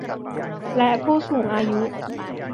และผู้สูงอายุ